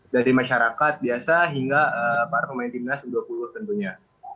dari masyarakat biasa hingga para pemain timnas u dua puluh tentunya